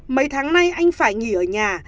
mấy tháng nay anh phải nghỉ ở nhà